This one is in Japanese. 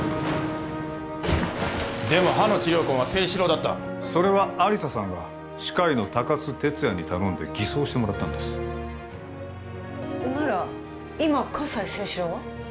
でも歯の治療痕は征四郎だったそれは亜理紗さんが歯科医の高津哲也に頼んで偽装してもらったんですなら今葛西征四郎は？